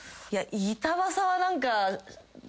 板わさは何か。